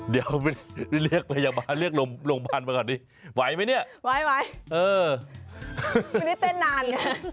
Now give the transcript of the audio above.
เดี๋ยวเรียกโรงพันธ์มาก่อนไหวไหมเนี่ยไหวไหวไม่ได้เต้นนาน